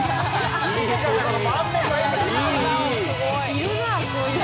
いるなあこういう人。